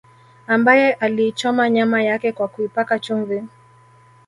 Ambaye aliichoma nyama yake kwa kuipaka chumvi